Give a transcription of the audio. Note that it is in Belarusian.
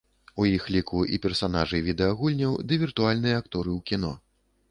У іх ліку і персанажы відэагульняў ды віртуальныя акторы ў кіно.